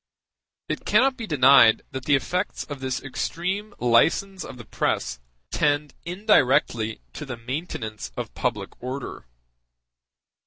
It cannot be denied that the effects of this extreme license of the press tend indirectly to the maintenance of public order.